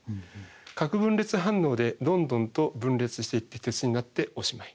核分裂反応でどんどんと分裂していって鉄になっておしまい。